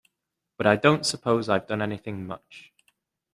But I don't suppose I've done anything much.